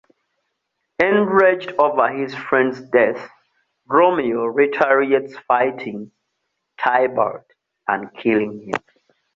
Enraged over his friend's death, Romeo retaliates by fighting Tybalt and killing him.